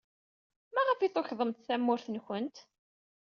Maɣef ay tukḍemt tamurt-nwent?